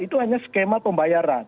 itu hanya skema pembayaran